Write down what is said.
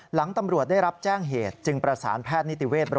หลังตำรวจได้รับแจ้งเหตุจึงประสานแพทย์นิติเวศ